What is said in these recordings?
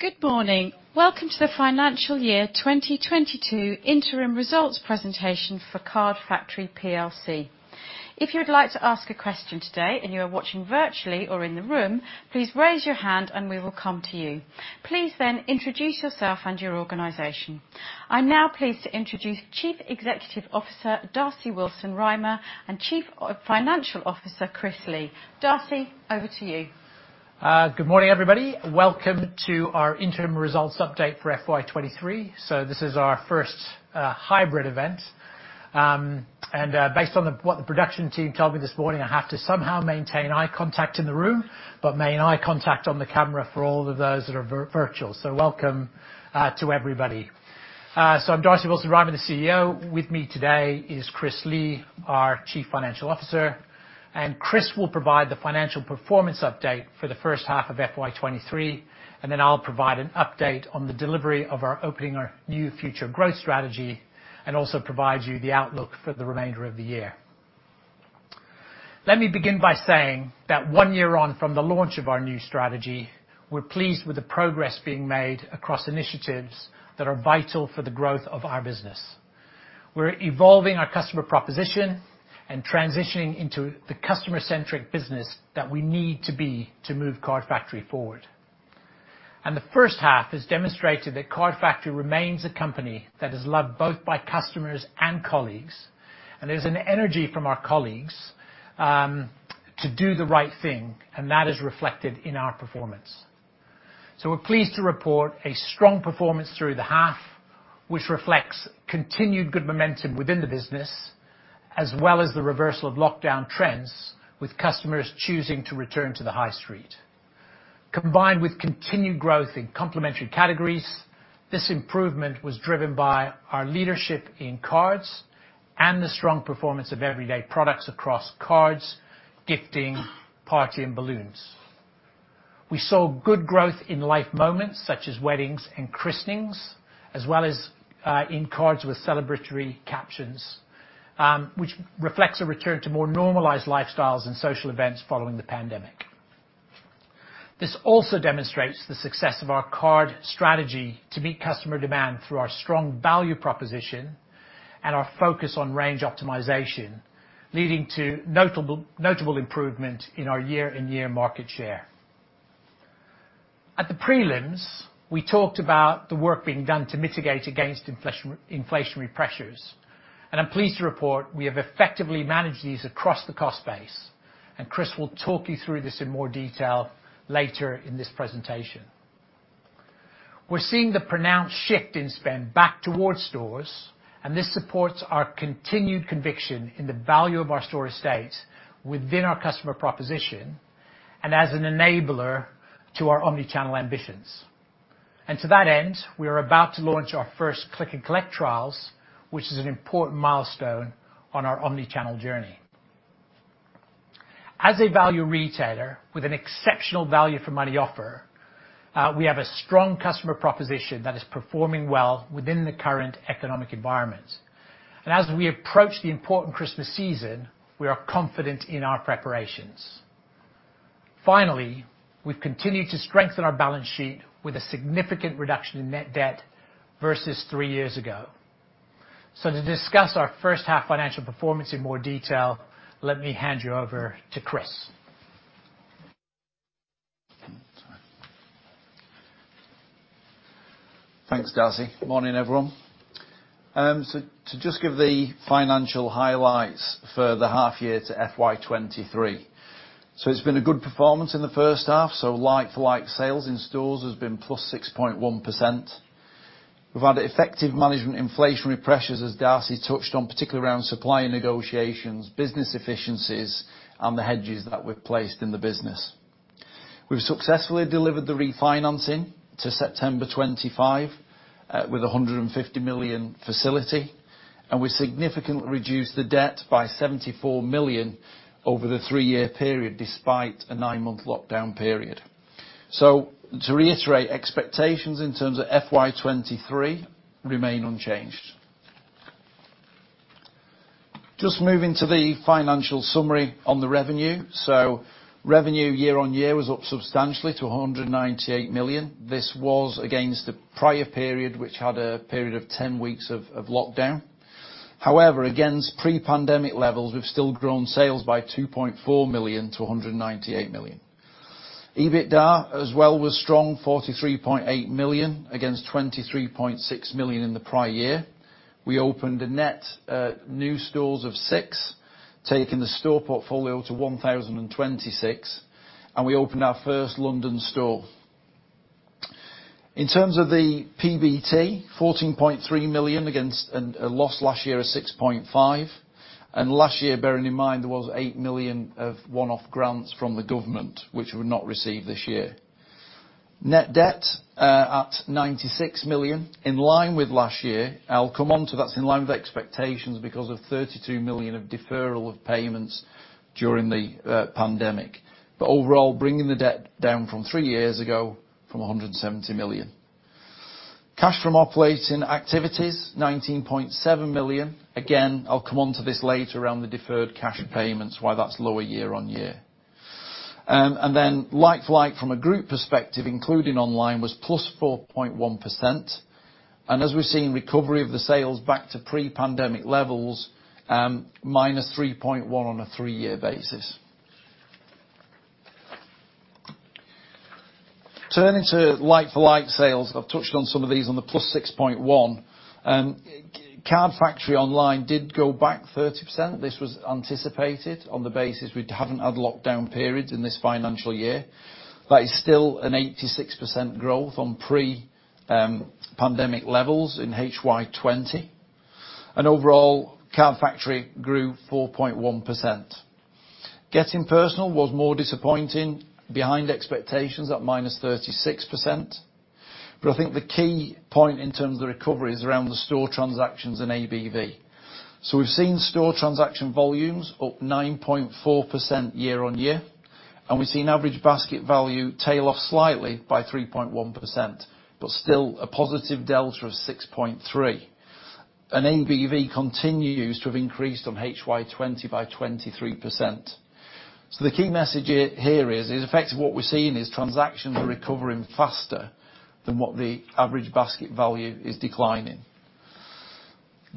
Good morning. Welcome to the financial year 2022 interim results presentation for Card Factory plc. If you would like to ask a question today, and you are watching virtually or in the room, please raise your hand, and we will come to you. Please then introduce yourself and your organization. I'm now pleased to introduce Chief Executive Officer, Darcy Willson-Rymer, and Chief Financial Officer, Kris Lee. Darcy, over to you. Good morning, everybody. Welcome to our interim results update for FY 2023. So this is our first hybrid event. And based on what the production team told me this morning, I have to somehow maintain eye contact in the room but maintain eye contact on the camera for all of those that are virtual. So welcome to everybody. I'm Darcy Willson-Rymer, CEO. With me today is Kris Lee, our Chief Financial Officer, and Kris will provide the financial performance update for the first half of FY 2023, and then I'll provide an update on the delivery of our Opening Our New Future growth strategy and also provide you the outlook for the remainder of the year. Let me begin by saying that one year on from the launch of our new strategy, we're pleased with the progress being made across initiatives that are vital for the growth of our business. We're evolving our customer proposition and transitioning into the customer-centric business that we need to be to move Card Factory forward. And the first half has demonstrated that Card Factory remains a company that is loved both by customers and colleagues, and there's an energy from our colleagues to do the right thing, and that is reflected in our performance. We're pleased to report a strong performance through the half, which reflects continued good momentum within the business, as well as the reversal of lockdown trends, with customers choosing to return to the high street. Combined with continued growth in complementary categories, this improvement was driven by our leadership in cards and the strong performance of everyday products across cards, gifting, party, and balloons. We saw good growth in life moments such as weddings and christenings, as well as in cards with celebratory captions, which reflects a return to more normalized lifestyles and social events following the pandemic. This also demonstrates the success of our card strategy to meet customer demand through our strong value proposition and our focus on range optimization, leading to notable improvement in our year-on-year market share. At the prelims, we talked about the work being done to mitigate against inflationary pressures, and I'm pleased to report we have effectively managed these across the cost base, and Kris will talk you through this in more detail later in this presentation. We're seeing the pronounced shift in spend back towards stores, and this supports our continued conviction in the value of our store estate within our customer proposition and as an enabler to our omni-channel ambitions. And to that end, we are about to launch our first Click and Collect trials, which is an important milestone on our omni-channel journey. As a value retailer with an exceptional value for money offer, we have a strong customer proposition that is performing well within the current economic environment. As we approach the important Christmas season, we are confident in our preparations. Finally, we've continued to strengthen our balance sheet with a significant reduction in net debt versus three years ago. To discuss our first half financial performance in more detail, let me hand you over to Kris. Thanks, Darcy. Morning, everyone. To just give the financial highlights for the half year to FY 2023. It's been a good performance in the first half. Like for like, sales in stores has been +6.1%. We've had effective management of inflationary pressures, as Darcy touched on, particularly around supplier negotiations, business efficiencies, and the hedges that we've placed in the business. We've successfully delivered the refinancing to September 2025 with a 150 million facility, and we significantly reduced the debt by 74 million over the three-year period, despite a nine-month lockdown period. To reiterate, expectations in terms of FY 2023 remain unchanged. Just moving to the financial summary on the revenue. So revenue year-on-year was up substantially to 198 million. This was against the prior period, which had a period of 10 weeks of lockdown. However, against pre-pandemic levels, we've still grown sales by 2.4 million-198 million. EBITDA as well was strong, 43.8 million against 23.6 million in the prior year. We opened a net new stores of six, taking the store portfolio to 1,026, and we opened our first London store. In terms of the PBT, 14.3 million against a loss last year of 6.5 million, and last year, bearing in mind, there was 8 million of one-off grants from the government, which we've not received this year. Net debt at 96 million, in line with last year. That's in line with expectations because of 32 million of deferral of payments during the pandemic. Overall, bringing the debt down from three years ago from 170 million. Cash from operating activities, 19.7 million. Again, I'll come on to this later around the deferred cash payments, why that's lower year-on-year. Like-for-like from a group perspective, including online, was +4.1%. As we've seen recovery of the sales back to pre-pandemic levels, -3.1% on a three-year basis. Turning to like-for-like sales, I've touched on some of these on the +6.1%. And Card Factory online grew 30%. This was anticipated on the basis we haven't had lockdown periods in this financial year. That is still an 86% growth on pre-pandemic levels in HY 2020. Overall, Card Factory grew 4.1%. Getting Personal was more disappointing, behind expectations at -36%. I think the key point in terms of the recovery is around the store transactions and ABV. So we've seen store transaction volumes up 9.4% year-on-year, and we've seen average basket value tail off slightly by 3.1%, but still a positive delta of 6.3%. ABV continues to have increased on HY 2020 by 23%. The key message here is effectively what we're seeing is transactions are recovering faster than what the average basket value is declining.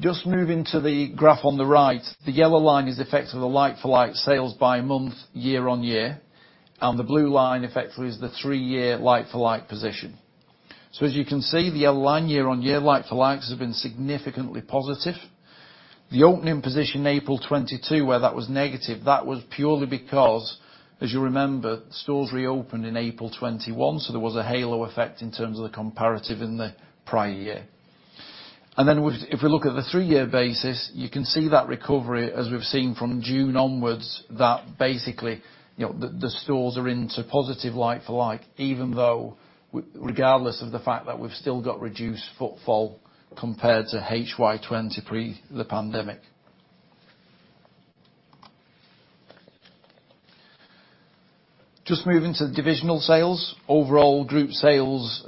Just moving to the graph on the right, the yellow line is the effect of the like-for-like sales by month, year-on-year, and the blue line effectively is the three-year like-for-like position. As you can see, the yellow line year-on-year, like-for-likes, have been significantly positive. The opening position, April 2022, where that was negative, that was purely because, as you remember, stores reopened in April 2021, so there was a halo effect in terms of the comparative in the prior year. And if we look at the three-year basis, you can see that recovery as we've seen from June onwards, that basically, you know, the stores are into positive like-for-like, even though regardless of the fact that we've still got reduced footfall compared to HY 2020 pre the pandemic. Just moving to the divisional sales. Overall group sales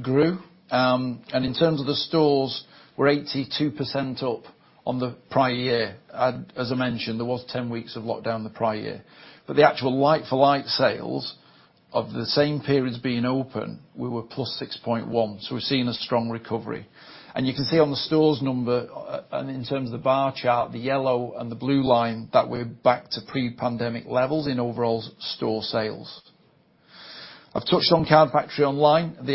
grew, and in terms of the stores we're 82% up on the prior year. As I mentioned, there was 10 weeks of lockdown the prior year. The actual like-for-like sales of the same periods being open, we were +6.1%, so we're seeing a strong recovery. And you can see on the stores number, and in terms of the bar chart, the yellow and the blue line, that we're back to pre-pandemic levels in overall store sales. I've touched on Card Factory online, the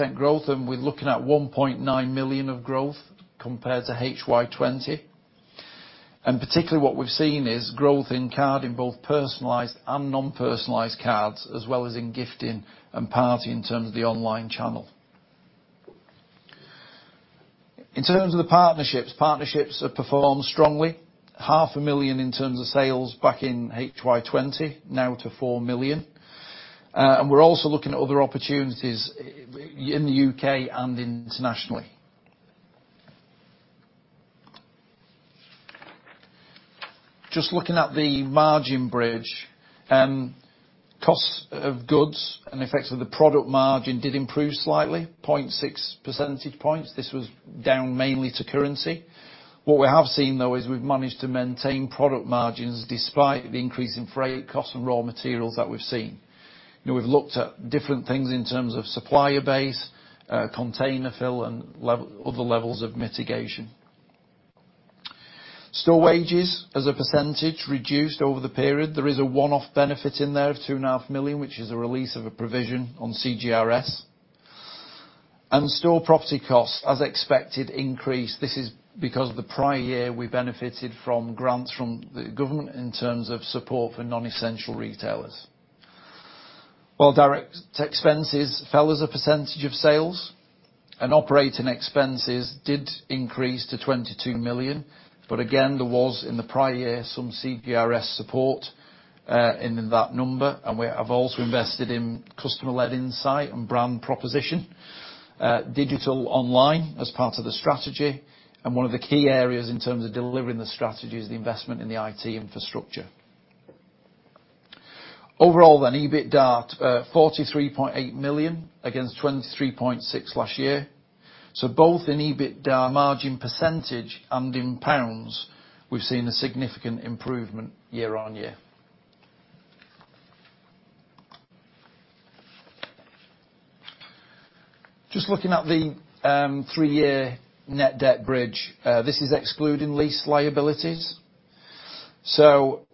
86% growth, and we're looking at 1.9 million of growth compared to HY 2020. Particularly what we've seen is growth in cards in both personalized and non-personalized cards, as well as in gifting and party in terms of the online channel. In terms of the partnerships have performed strongly. Half a million in terms of sales back in HY 2020, now to 4 million. We're also looking at other opportunities in the U.K. and internationally. Just looking at the margin bridge. Cost of goods and effects of the product margin did improve slightly, 0.6 percentage points. This was due mainly to currency. What we have seen, though, is we've managed to maintain product margins despite the increase in freight costs and raw materials that we've seen. You know, we've looked at different things in terms of supplier base, container fill and other levels of mitigation. Store wages as a percentage reduced over the period. There is a one-off benefit in there of 2.5 million, which is a release of a provision on CJRS. Store property costs, as expected, increased. This is because the prior year we benefited from grants from the government in terms of support for non-essential retailers. While direct expenses fell as a percentage of sales and operating expenses did increase to 22 million. Again, there was in the prior year some CJRS support in that number. We have also invested in customer-led insight and brand proposition, digital online as part of the strategy. One of the key areas in terms of delivering the strategy is the investment in the IT infrastructure. Overall, EBITDA at 43.8 million against 23.6 million last year. So both in EBITDA margin percentage and in pounds, we've seen a significant improvement year-over-year. Just looking at the three-year net debt bridge. This is excluding lease liabilities. So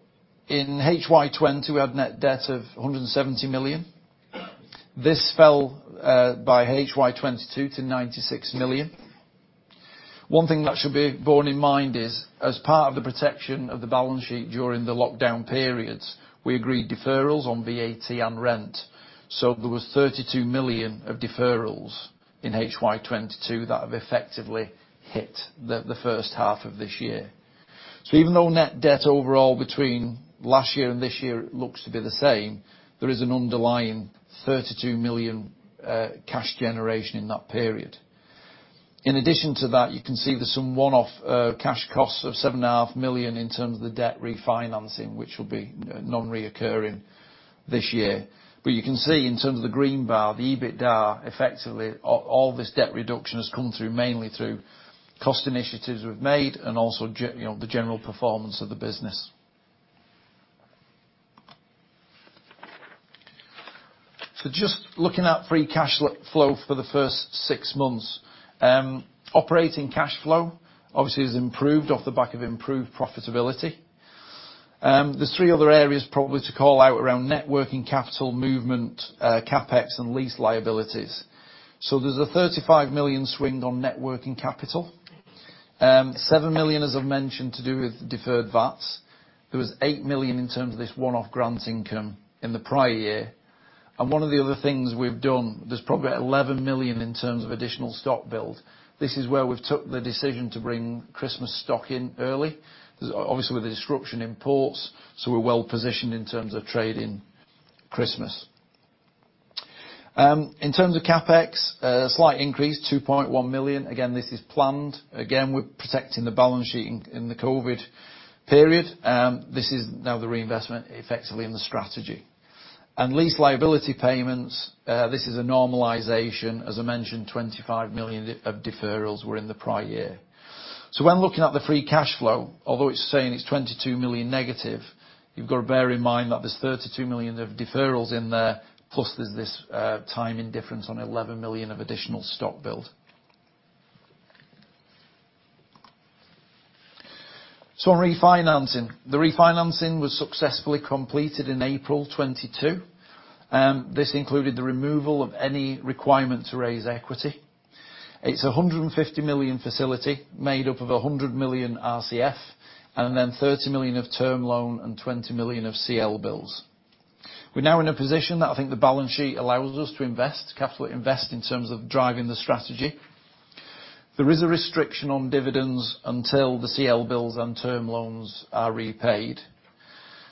in HY 2020, we have net debt of 170 million. This fell by HY 2022 to 96 million. One thing that should be borne in mind is, as part of the protection of the balance sheet during the lockdown periods, we agreed deferrals on VAT and rent. There was 32 million of deferrals in HY 2022 that have effectively hit the first half of this year. Even though net debt overall between last year and this year looks to be the same, there is an underlying 32 million cash generation in that period. In addition to that, you can see there's some one-off cash costs of 7.5 million in terms of the debt refinancing, which will be non-recurring this year. But you can see in terms of the green bar, the EBITDA, effectively, all this debt reduction has come through mainly through cost initiatives we've made and also you know, the general performance of the business. So just looking at free cash flow for the first six months. Operating cash flow obviously has improved off the back of improved profitability. There's three other areas probably to call out around net working capital movement, CapEx and lease liabilities. There's a 35 million swing on net working capital. 7 million, as I've mentioned to do with deferred VAT. There was 8 million in terms of this one-off grant income in the prior year. One of the other things we've done, there's probably 11 million in terms of additional stock build. This is where we've took the decision to bring Christmas stock in early, obviously, with the disruption in ports, so we're well-positioned in terms of trade in Christmas. In terms of CapEx, a slight increase, 2.1 million. Again, this is planned. Again, we're protecting the balance sheet in the COVID period. This is now the reinvestment effectively in the strategy. And lease liability payments, this is a normalization. As I mentioned, 25 million of deferrals were in the prior year. When looking at the free cash flow, although it's saying it's negative 22 million, you've got to bear in mind that there's 32 million of deferrals in there, plus there's this, timing difference on 11 million of additional stock build. Refinancing. The refinancing was successfully completed in April 2022, and this included the removal of any requirement to raise equity. It's a 150 million facility made up of a 100 million RCF and then 30 million of term loan and 20 million of CLBILS. We're now in a position that I think the balance sheet allows us to invest, capital invest in terms of driving the strategy. There is a restriction on dividends until the CLBILS and term loans are repaid,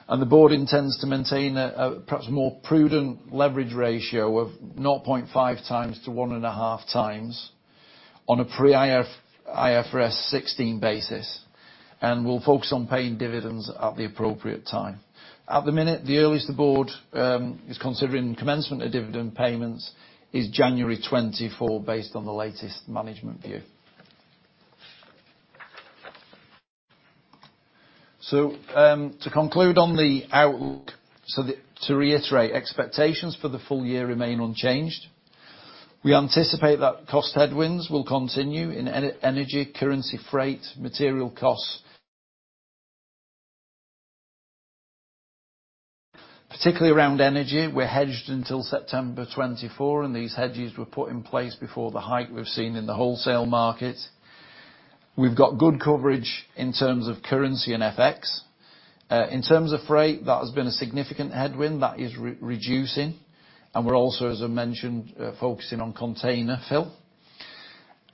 and the board intends to maintain a perhaps more prudent leverage ratio of 0.5x-1.5x on a pre-IFRS 16 basis, and we'll focus on paying dividends at the appropriate time. At the minute, the earliest the board is considering commencement of dividend payments is January 2024, based on the latest management view. So to conclude on the outlook, to reiterate, expectations for the full year remain unchanged. We anticipate that cost headwinds will continue in energy, currency, freight, material costs. Particularly around energy, we're hedged until September 2024, and these hedges were put in place before the hike we've seen in the wholesale market. We've got good coverage in terms of currency and FX. In terms of freight, that has been a significant headwind that is reducing, and we're also, as I mentioned, focusing on container fill.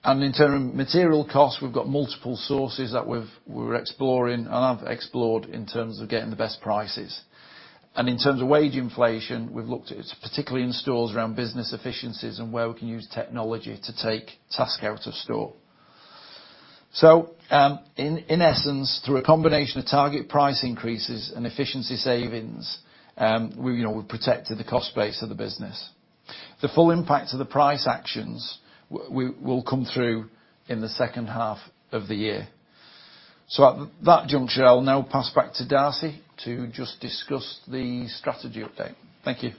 In terms of material costs, we've got multiple sources that we're exploring and have explored in terms of getting the best prices. In terms of wage inflation, we've looked at, particularly in stores around business efficiencies and where we can use technology to take task out of store. In essence, through a combination of target price increases and efficiency savings, you know, we've protected the cost base of the business. The full impact of the price actions will come through in the second half of the year. At that juncture, I'll now pass back to Darcy to just discuss the strategy update. Thank you.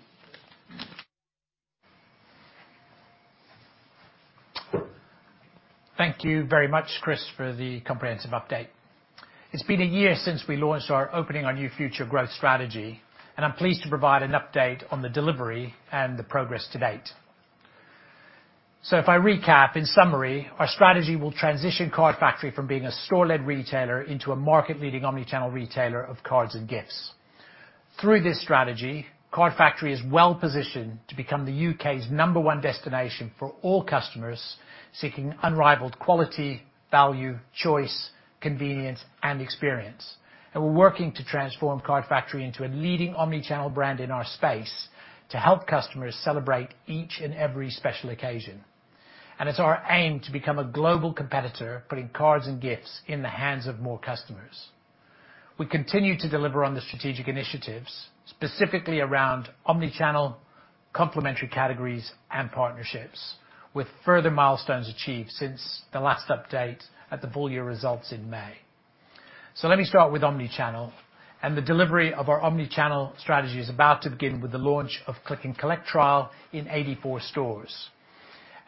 Thank you very much, Kris, for the comprehensive update. It's been a year since we launched our Opening Our New Future growth strategy, and I'm pleased to provide an update on the delivery and the progress to date. If I recap, in summary, our strategy will transition Card Factory from being a store-led retailer into a market-leading omni-channel retailer of cards and gifts. Through this strategy, Card Factory is well-positioned to become the U.K.'s number one destination for all customers seeking unrivaled quality, value, choice, convenience, and experience. We're working to transform Card Factory into a leading omni-channel brand in our space to help customers celebrate each and every special occasion. It's our aim to become a global competitor, putting cards and gifts in the hands of more customers. We continue to deliver on the strategic initiatives, specifically around omni-channel, complementary categories, and partnerships, with further milestones achieved since the last update at the full-year results in May. So let me start with omni-channel, and the delivery of our omni-channel strategy is about to begin with the launch of Click and Collect trial in 84 stores.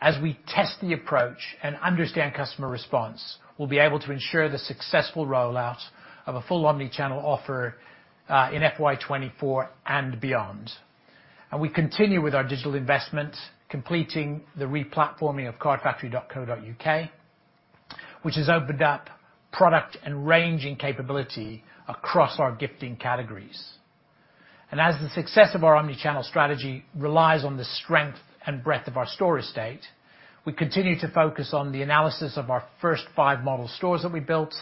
As we test the approach and understand customer response, we'll be able to ensure the successful rollout of a full omni-channel offer in FY 2024 and beyond. We continue with our digital investment, completing the replatforming of cardfactory.co.uk, which has opened up product and ranging capability across our gifting categories. And as the success of our omni-channel strategy relies on the strength and breadth of our store estate, we continue to focus on the analysis of our first five model stores that we built,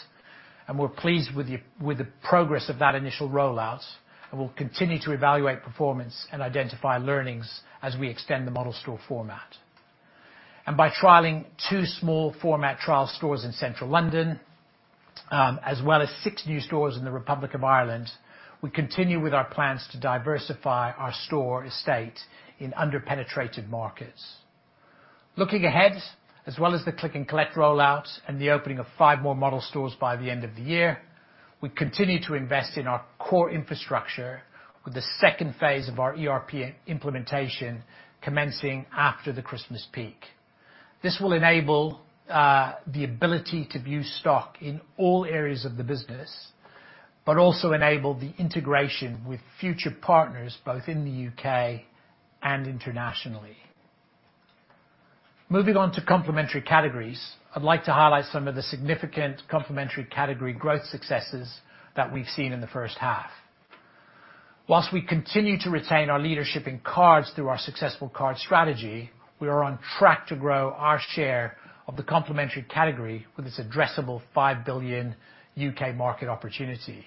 and we're pleased with the progress of that initial rollout, and we'll continue to evaluate performance and identify learnings as we extend the model store format. By trialing two small format trial stores in Central London, as well as six new stores in the Republic of Ireland, we continue with our plans to diversify our store estate in under-penetrated markets. Looking ahead, as well as the Click and Collect rollout and the opening of five more model stores by the end of the year, we continue to invest in our core infrastructure with the second phase of our ERP implementation commencing after the Christmas peak. This will enable the ability to view stock in all areas of the business, but also enable the integration with future partners, both in the U.K. and internationally. Moving on to complementary categories, I'd like to highlight some of the significant complementary category growth successes that we've seen in the first half. While we continue to retain our leadership in cards through our successful card strategy, we are on track to grow our share of the complementary category with its addressable 5 billion U.K. market opportunity.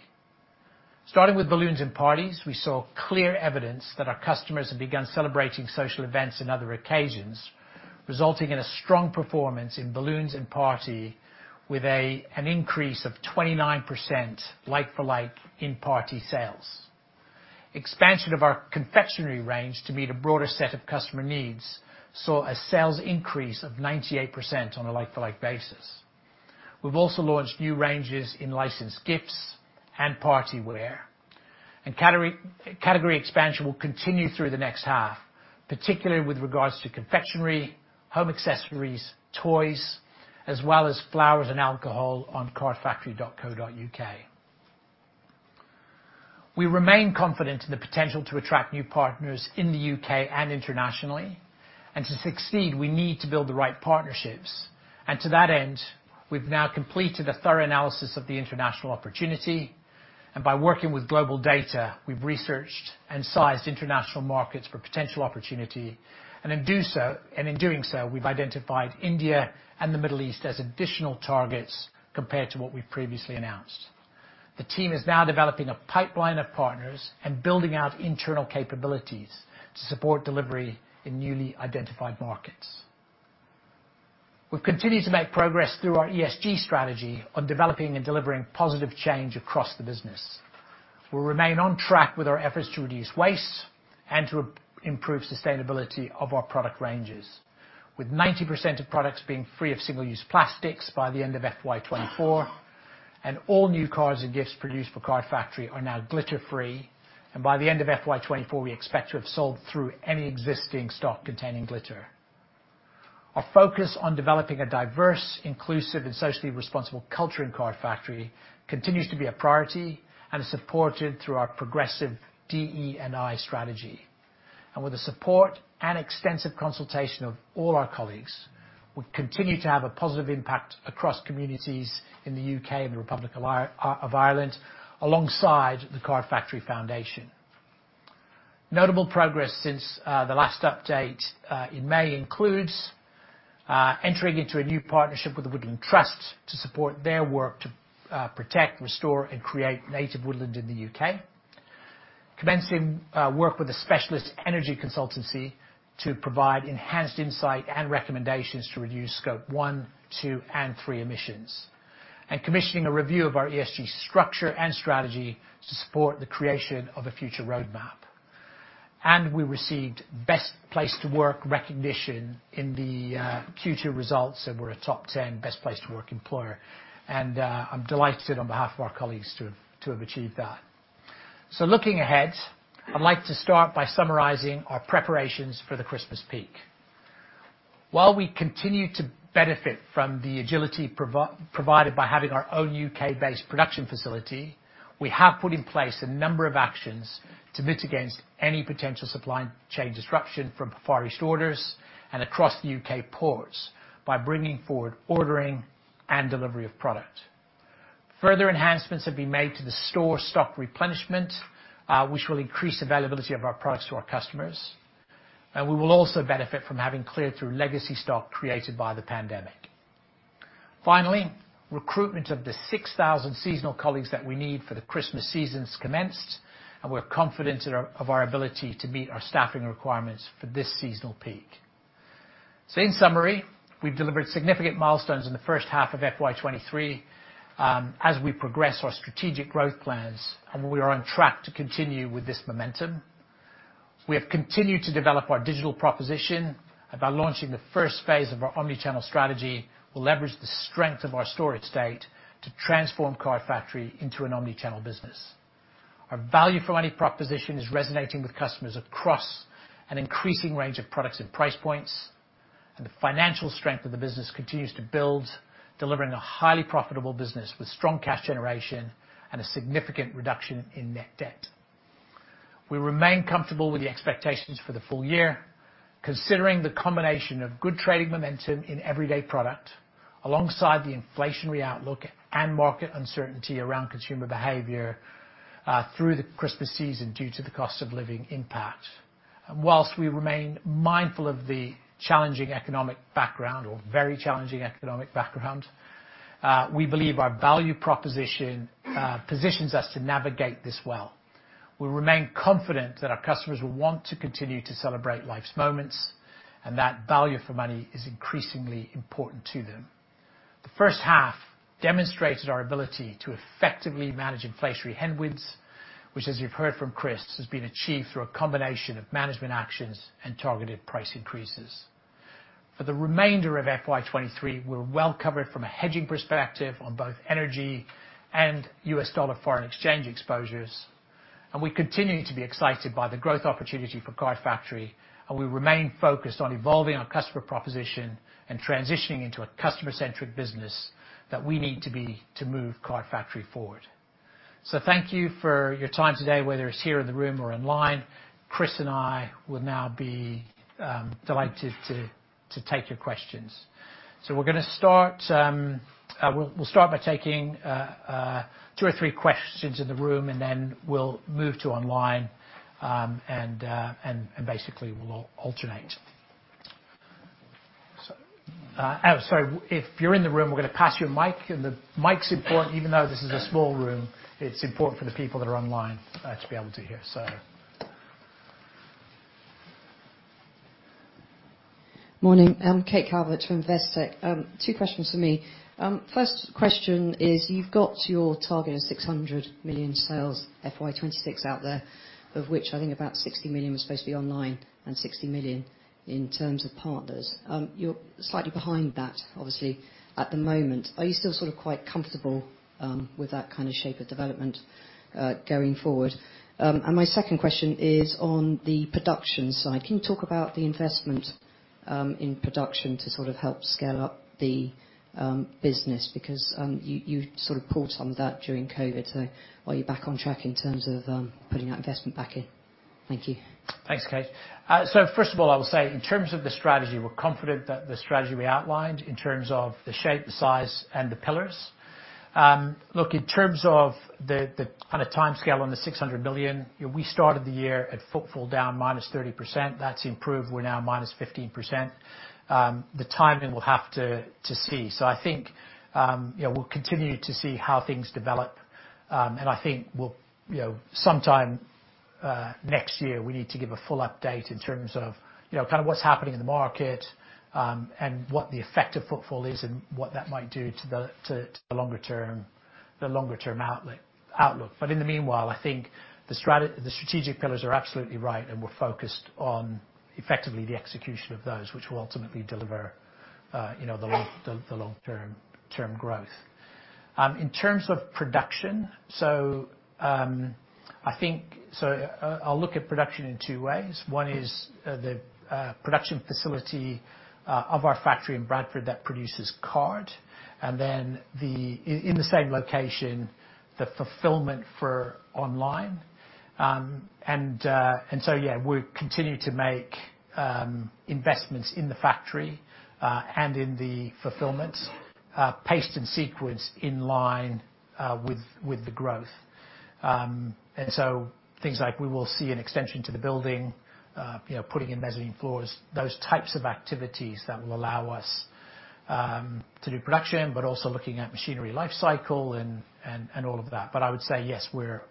Starting with balloons and parties, we saw clear evidence that our customers have begun celebrating social events and other occasions, resulting in a strong performance in balloons and party with an increase of 29% like for like in party sales. Expansion of our confectionery range to meet a broader set of customer needs saw a sales increase of 98% on a like-for-like basis. We've also launched new ranges in licensed gifts and party wear. Category expansion will continue through the next half, particularly with regards to confectionery, home accessories, toys, as well as flowers and alcohol on cardfactory.co.uk. We remain confident in the potential to attract new partners in the U.K. and internationally. To succeed, we need to build the right partnerships. To that end, we've now completed a thorough analysis of the international opportunity, a.nd by working with GlobalData, we've researched and sized international markets for potential opportunity. In doing so, we've identified India and the Middle East as additional targets compared to what we've previously announced. The team is now developing a pipeline of partners and building out internal capabilities to support delivery in newly identified markets. We've continued to make progress through our ESG strategy on developing and delivering positive change across the business. We remain on track with our efforts to reduce waste and to improve sustainability of our product ranges, with 90% of products being free of single-use plastics by the end of FY 2024, and all new cards and gifts produced for Card Factory are now glitter-free. By the end of FY 2024, we expect to have sold through any existing stock containing glitter. Our focus on developing a diverse, inclusive, and socially responsible culture in Card Factory continues to be a priority and is supported through our progressive DE&I strategy. With the support and extensive consultation of all our colleagues, we continue to have a positive impact across communities in the U.K. and the Republic of Ireland, alongside the Card Factory Foundation. Notable progress since the last update in May includes entering into a new partnership with the Woodland Trust to support their work to protect, restore, and create native woodland in the U.K. Commencing work with a specialist energy consultancy to provide enhanced insight and recommendations to reduce Scope 1, 2 and 3 emissions and commissioning a review of our ESG structure and strategy to support the creation of a future roadmap. And we received Best Place to Work recognition in the Q2 results, and we're a top 10 Best Place to Work employer. I'm delighted on behalf of our colleagues to have achieved that. So looking ahead, I'd like to start by summarizing our preparations for the Christmas peak. While we continue to benefit from the agility provided by having our own U.K.-based production facility, we have put in place a number of actions to mitigate any potential supply chain disruption from Far East orders and across the U.K. ports by bringing forward ordering and delivery of product. Further enhancements have been made to the store stock replenishment, which will increase availability of our products to our customers. We will also benefit from having cleared through legacy stock created by the pandemic. Finally, recruitment of the 6,000 seasonal colleagues that we need for the Christmas season's commenced, and we're confident in our ability to meet our staffing requirements for this seasonal peak. In summary, we've delivered significant milestones in the first half of FY 2023, as we progress our strategic growth plans, and we are on track to continue with this momentum. We have continued to develop our digital proposition by launching the first phase of our omni-channel strategy. We'll leverage the strength of our store estate to transform Card Factory into an omni-channel business. Our value for money proposition is resonating with customers across an increasing range of products and price points, and the financial strength of the business continues to build, delivering a highly profitable business with strong cash generation and a significant reduction in net debt. We remain comfortable with the expectations for the full year, considering the combination of good trading momentum in everyday product, alongside the inflationary outlook and market uncertainty around consumer behavior through the Christmas season due to the cost of living impact. While we remain mindful of the very challenging economic background, we believe our value proposition positions us to navigate this well. We remain confident that our customers will want to continue to celebrate life's moments, and that value for money is increasingly important to them. The first half demonstrated our ability to effectively manage inflationary headwinds, which as you've heard from Kris, has been achieved through a combination of management actions and targeted price increases. For the remainder of FY 2023, we're well covered from a hedging perspective on both energy and U.S. dollar foreign exchange exposures. We continue to be excited by the growth opportunity for Card Factory, and we remain focused on evolving our customer proposition and transitioning into a customer-centric business that we need to be to move Card Factory forward. So thank you for your time today, whether it's here in the room or online. Kris and I will now be delighted to take your questions. We'll start by taking two or three questions in the room, and then we'll move to online, and basically we'll alternate. If you're in the room, we're gonna pass you a mic. The mic's important even though this is a small room. It's important for the people that are online to be able to hear. Morning. I'm Kate Calvert from Investec. Two questions from me. First question is, you've got your target of 600 million sales FY 2026 out there, of which I think about 60 million was supposed to be online and 60 million in terms of partners. You're slightly behind that obviously at the moment. Are you still sort of quite comfortable with that kind of shape of development going forward? My second question is on the production side. Can you talk about the investment in production to sort of help scale up the business? Because you sort of paused on that during COVID. Are you back on track in terms of putting that investment back in? Thank you. Thanks, Kate. First of all, I would say in terms of the strategy, we're confident that the strategy we outlined in terms of the shape, the size, and the pillars. Look, in terms of the kind of timescale on the 600 million, you know, we started the year at footfall down minus 30%. That's improved. We're now minus 15%. The timing, we'll have to see. I think, you know, we'll continue to see how things develop. And I think we'll, you know, sometime next year we need to give a full update in terms of, you know, kind of what's happening in the market, and what the effect of footfall is, and what that might do to the longer term outlook. In the meanwhile, I think the strategic pillars are absolutely right, and we're focused on effectively the execution of those which will ultimately deliver the long-term growth. In terms of production, I'll look at production in two ways. One is the production facility of our factory in Bradford that produces cards. And then in the same location, the fulfillment for online. And we're continuing to make investments in the factory and in the fulfillment, paced and sequenced in line with the growth. And so things like we will see an extension to the building, putting in mezzanine floors. Those types of activities that will allow us to do production, but also looking at machinery life cycle and all of that. But I would say, yes, we're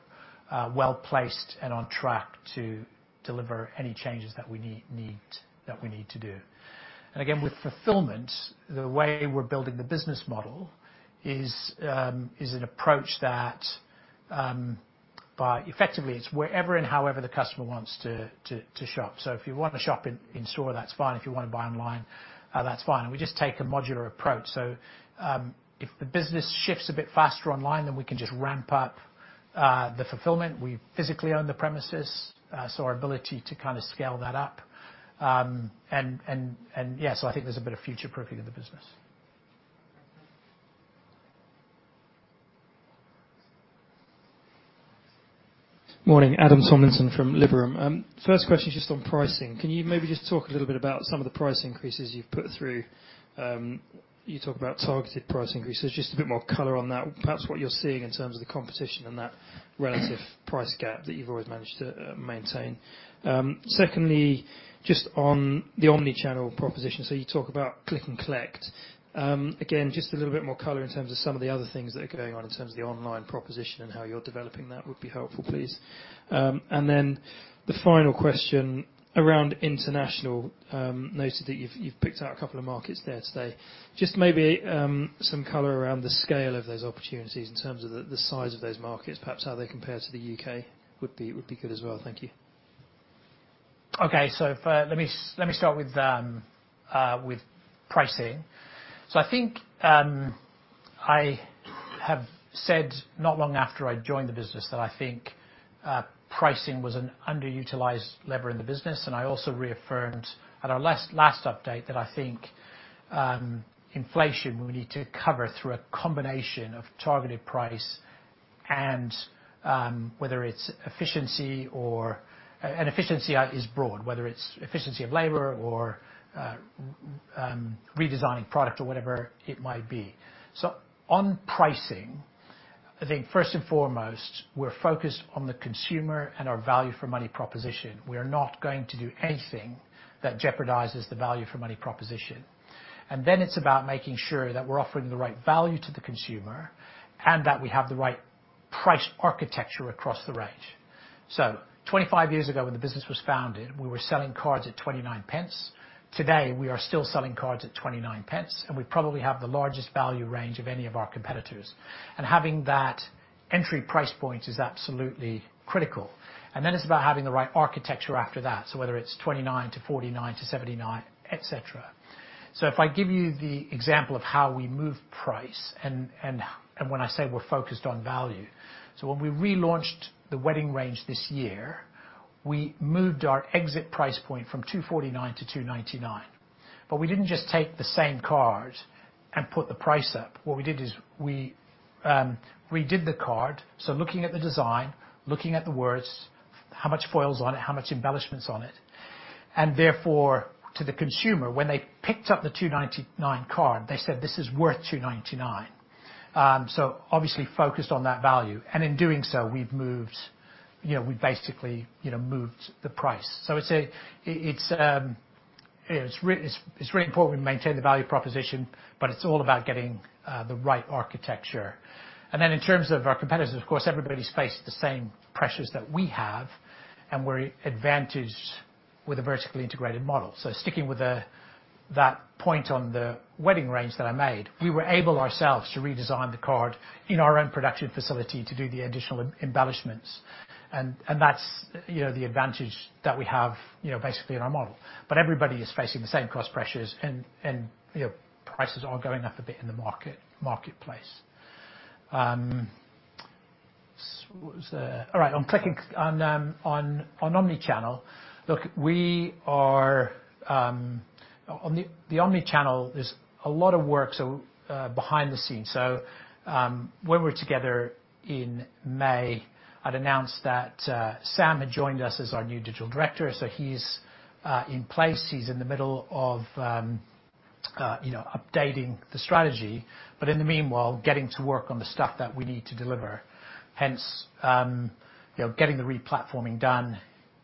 well-placed and on track to deliver any changes that we need to do. Again, with fulfillment, the way we're building the business model is an approach that effectively, it's wherever and however the customer wants to shop. If you want to shop in store, that's fine. If you wanna buy online, that's fine. We just take a modular approach. If the business shifts a bit faster online, then we can just ramp up the fulfillment. We physically own the premises, so our ability to kind of scale that up. And yes, I think there's a bit of future proofing in the business. Morning. Adam Tomlinson from Liberum. First question is just on pricing. Can you maybe just talk a little bit about some of the price increases you've put through? You talk about targeted price increases. Just a bit more color on that. Perhaps what you're seeing in terms of the competition and that relative price gap that you've always managed to maintain. Secondly, just on the omni-channel proposition. You talk about Click and Collect. Again, just a little bit more color in terms of some of the other things that are going on in terms of the online proposition and how you're developing that would be helpful, please. And then the final question around international. Noted that you've picked out a couple of markets there today. Just maybe some color around the scale of those opportunities in terms of the size of those markets, perhaps how they compare to the U.K. would be good as well. Thank you. Okay. Let me start with pricing. I think I have said not long after I joined the business that I think pricing was an underutilized lever in the business. And I also reaffirmed at our last update that I think inflation we need to cover through a combination of targeted price and whether it's efficiency. Efficiency is broad, whether it's efficiency of labor or redesigning product or whatever it might be. So on pricing, I think first and foremost, we're focused on the consumer and our value for money proposition. We are not going to do anything that jeopardizes the value for money proposition. And then it's about making sure that we're offering the right value to the consumer and that we have the right price architecture across the range. So 25 years ago, when the business was founded, we were selling cards at 0.29. Today, we are still selling cards at 0.29, and we probably have the largest value range of any of our competitors. Having that entry price point is absolutely critical. Then it's about having the right architecture after that, so whether it's 0.29-0.49-GBP 0.79, etc. If I give you the example of how we move price and when I say we're focused on value. When we relaunched the wedding range this year, we moved our exit price point from 2.49-2.99. We didn't just take the same card and put the price up. What we did is we redid the card, so looking at the design, looking at the words, how much foil's on it, how much embellishment's on it. Therefore, to the consumer, when they picked up the 2.99 card, they said, "This is worth 2.99." So obviously focused on that value. In doing so, we've moved, you know, we basically, you know, moved the price. It's very important we maintain the value proposition, but it's all about getting the right architecture. In terms of our competitors, of course, everybody's faced the same pressures that we have, and we're advantaged with a vertically integrated model. Sticking with that point on the wedding range that I made, we were able ourselves to redesign the card in our own production facility to do the additional embellishments. And that's, you know, the advantage that we have, you know, basically in our model. Everybody is facing the same cost pressures and, you know, prices are going up a bit in the marketplace. On the omni-channel is a lot of work so behind the scenes. When we're together in May, I'd announce that Sam had joined us as our new digital director, so he's in place. He's in the middle of, you know, updating the strategy. But in the meanwhile, getting to work on the stuff that we need to deliver. Hence, you know, getting the replatforming done,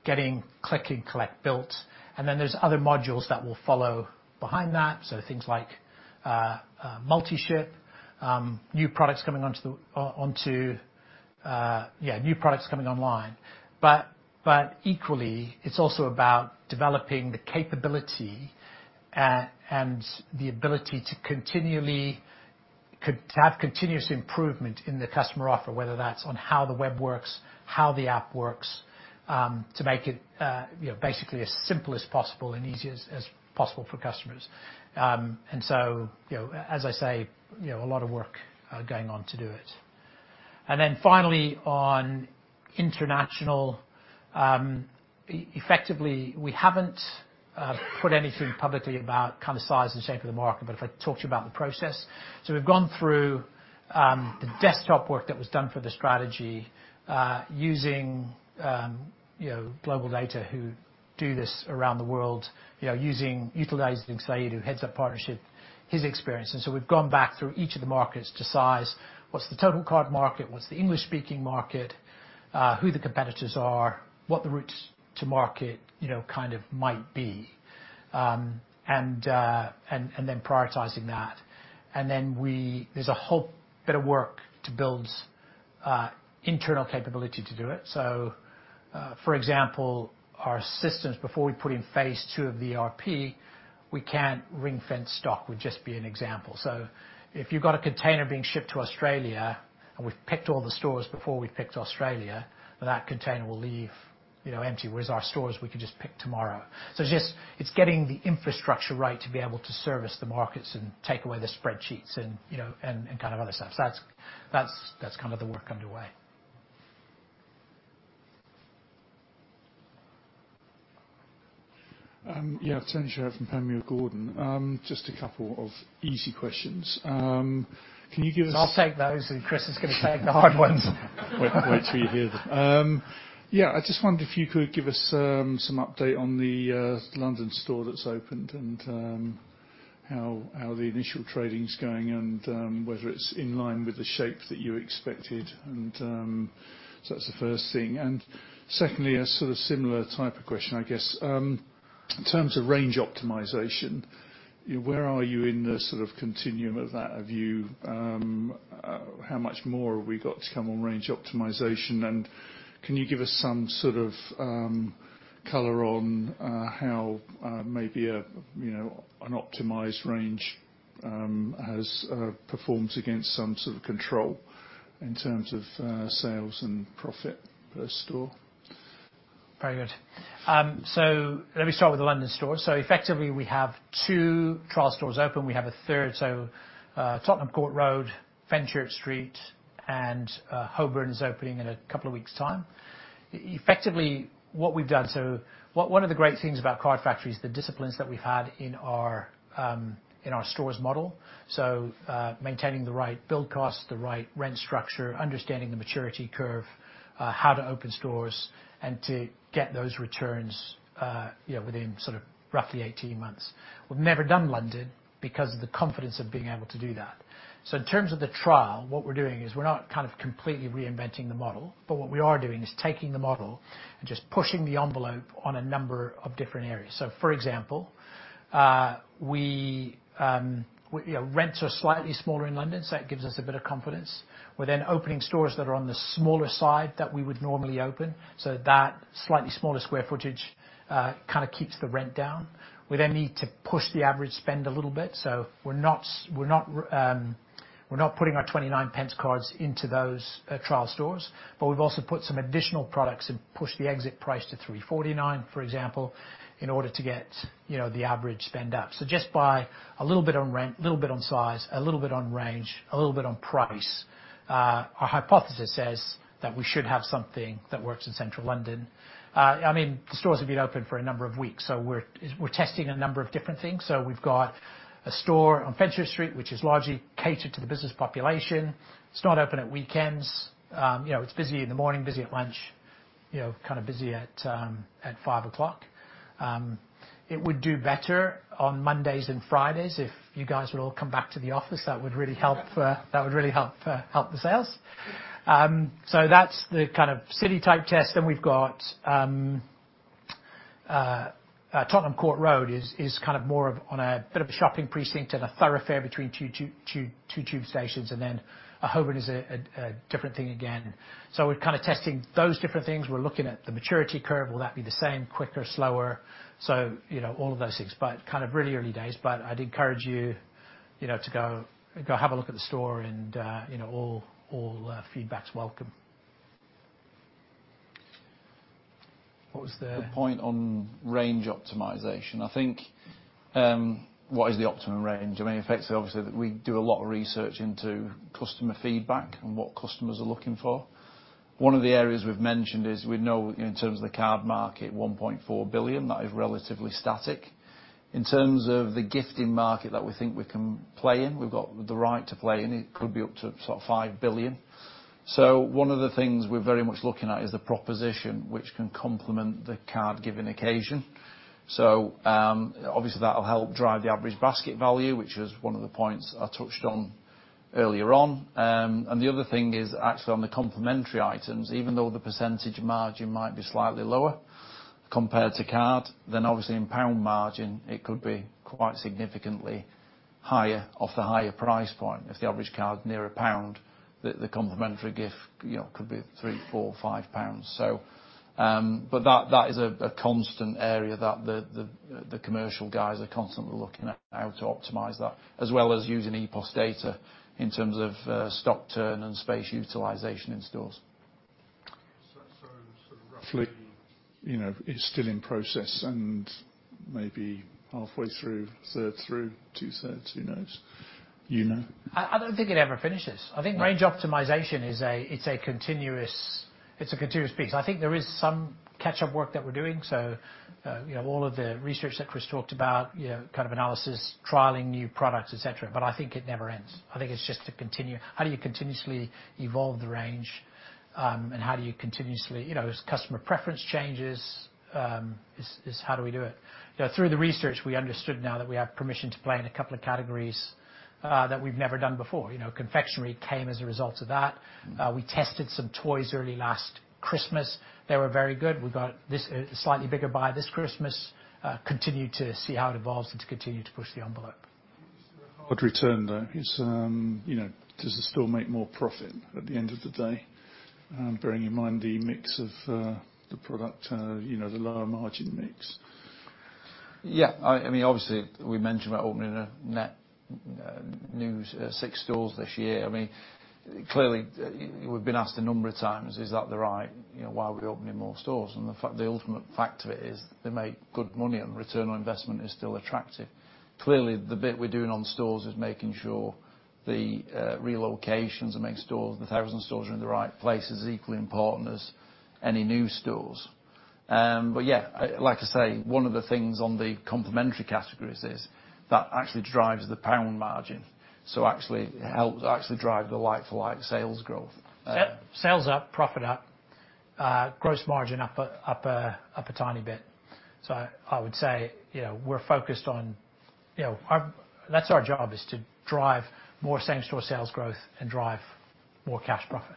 getting Click and Collect built. And then there's other modules that will follow behind that. Things like multi-ship, new products coming online. But equally, it's also about developing the capability and the ability to have continuous improvement in the customer offer, whether that's on how the web works, how the app works, to make it you know basically as simple as possible and easy as possible for customers. And so you know, as I say, you know, a lot of work going on to do it. Then finally, on international, effectively, we haven't put anything publicly about kind of size and shape of the market, but if I talk to you about the process. We've gone through the desktop work that was done for the strategy, using, you know, GlobalData who do this around the world, you know, utilizing Saeed, who heads up partnership, his experience. So we've gone back through each of the markets to size what's the total card market, what's the English-speaking market, who the competitors are, what the routes to market, you know, kind of might be, and then prioritizing that. And then there's a whole bit of work to build internal capability to do it. For example, our systems, before we put in phase two of the ERP, we can't ring-fence stock would just be an example. So if you've got a container being shipped to Australia and we've picked all the stores before we picked Australia, that container will leave, you know, empty, whereas our stores, we could just pick tomorrow. It's just getting the infrastructure right to be able to service the markets and take away the spreadsheets and, you know, kind of other stuff. That's kind of the work underway. Yeah. Tony Shiret from Panmure Gordon. Just a couple of easy questions. Can you give us I'll take those, and Kris is gonna take the hard ones. Wait 'til you hear them. Yeah. I just wondered if you could give us some update on the London store that's opened and how the initial trading's going and whether it's in line with the shape that you expected and so that's the first thing. Secondly, a sort of similar type of question, I guess. In terms of range optimization, where are you in the sort of continuum of that view? How much more have we got to come on range optimization? And can you give us some sort of color on how maybe a you know an optimized range has performed against some sort of control in terms of sales and profit per store? Very good. So let me start with the London store. Effectively, we have two trial stores open. We have a third, Tottenham Court Road, Fenchurch Street, and Holborn is opening in a couple of weeks' time. Effectively, what we've done. One of the great things about Card Factory is the disciplines that we've had in our stores model. So maintaining the right build cost, the right rent structure, understanding the maturity curve, how to open stores and to get those returns, you know, within sort of roughly 18 months. We've never done London because of the confidence of being able to do that. So in terms of the trial, what we're doing is we're not kind of completely reinventing the model, but what we are doing is taking the model and just pushing the envelope on a number of different areas. For example, you know, rents are slightly smaller in London, so that gives us a bit of confidence. We're then opening stores that are on the smaller side that we would normally open, so that slightly smaller square footage kind of keeps the rent down. We then need to push the average spend a little bit. So we're not putting our 0.29 cards into those trial stores, but we've also put some additional products and pushed the exit price to 3.49, for example, in order to get, you know, the average spend up. So just by a little bit on rent, a little bit on size, a little bit on range, a little bit on price, our hypothesis says that we should have something that works in Central London. I mean, the stores have been open for a number of weeks, so we're testing a number of different things. We've got a store on Fenchurch Street, which is largely catered to the business population. It's not open at weekends. You know, it's busy in the morning, busy at lunch, you know, kind of busy at five o'clock. It would do better on Mondays and Fridays. If you guys would all come back to the office, that would really help the sales. So that's the kind of city-type test. We've got Tottenham Court Road is kind of more of on a bit of a shopping precinct and a thoroughfare between two tube stations. And then Holborn is a different thing again. We're kind of testing those different things. We're looking at the maturity curve. Will that be the same, quicker, slower? So you know, all of those things, but kind of really early days. I'd encourage you know, to go have a look at the store and, you know, all feedback's welcome. What was the- The point on range optimization. I think, what is the optimum range? I mean, in effect, obviously, we do a lot of research into customer feedback and what customers are looking for. One of the areas we've mentioned is we know in terms of the card market, 1.4 billion, that is relatively static. In terms of the gifting market that we think we can play in, we've got the right to play in it, could be up to sort of 5 billion. So one of the things we're very much looking at is the proposition which can complement the card-giving occasion. So obviously, that will help drive the average basket value, which is one of the points I touched on earlier on. And the other thing is actually on the complementary items, even though the percentage margin might be slightly lower compared to card, then obviously in pound margin, it could be quite significantly higher off the higher price point. If the average card is near GBP 1, the complementary gift, you know, could be 3, 4, 5 pounds. So that is a constant area that the commercial guys are constantly looking at how to optimize that, as well as using ePOS data in terms of stock turn and space utilization in stores. That sort of roughly, you know, is still in process and maybe halfway through, third through, two-thirds, who knows? You know. I don't think it ever finishes. I think range optimization is a continuous piece. I think there is some catch-up work that we're doing. So you know, all of the research that Kris talked about, you know, kind of analysis, trialing new products, et cetera. I think it never ends. I think it's just to continue. How do you continuously evolve the range, and how do you continuously, you know, as customer preference changes, is how do we do it. You know, through the research, we understood now that we have permission to play in a couple of categories, that we've never done before. You know, confectionery came as a result of that. We tested some toys early last Christmas. They were very good. We got this slightly bigger buy this Christmas. Continue to see how it evolves and to continue to push the envelope. An odd return, though. You know, does the store make more profit at the end of the day, bearing in mind the mix of the product, you know, the lower margin mix? Yeah. I mean, obviously, we mentioned we're opening a net new six stores this year. I mean, clearly, we've been asked a number of times, is that the right, you know, why are we opening more stores? The ultimate fact of it is they make good money and return on investment is still attractive. Clearly, the bit we're doing on stores is making sure the relocations and the 1,000 stores are in the right place is equally important as any new stores. And Yeah, like I say, one of the things on the complementary categories is that actually drives the gross margin. Actually helps drive the like-for-like sales growth. Yep. Sales up, profit up, gross margin up a tiny bit. I would say, you know, we're focused on, you know, our. That's our job, is to drive more same-store sales growth and drive more cash profit.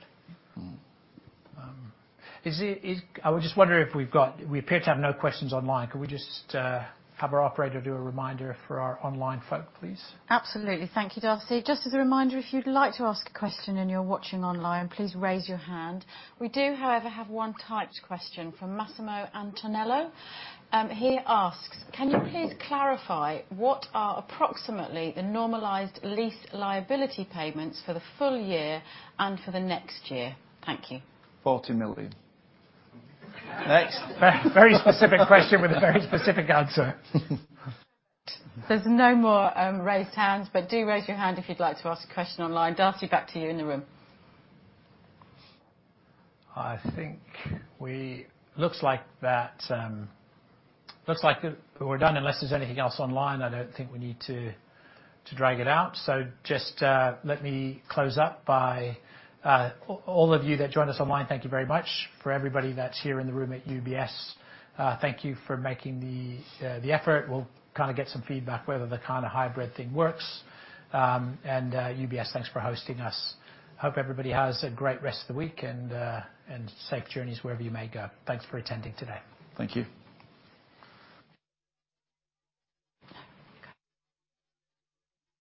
I was just wondering if we've got, we appear to have no questions online. Could we just have our operator do a reminder for our online folk, please? Absolutely. Thank you, Darcy. Just as a reminder, if you'd like to ask a question and you're watching online, please raise your hand. We do, however, have one typed question from Massimo Antonello. And he asks, "Can you please clarify what are approximately the normalized lease liability payments for the full year and for the next year? Thank you. 40 million. Next. Very specific question with a very specific answer. There's no more raised hands, but do raise your hand if you'd like to ask a question online. Darcy, back to you in the room. I think we looks like we're done. Unless there's anything else online, I don't think we need to drag it out. Just let me close up by all of you that joined us online, thank you very much. For everybody that's here in the room at UBS, thank you for making the effort. We'll kind of get some feedback whether the kinda hybrid thing works. And UBS, thanks for hosting us. Hope everybody has a great rest of the week and safe journeys wherever you may go. Thanks for attending today. Thank you.